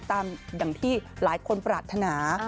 อย่างที่หลายคนปรารถนา